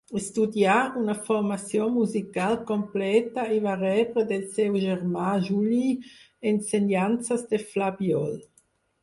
Estudià una formació musical completa i va rebre del seu germà Juli ensenyances de flabiol.